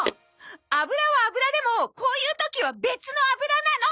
油は油でもこういう時は別の油なの！